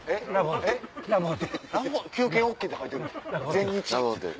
「休憩ＯＫ」って書いてるで全日。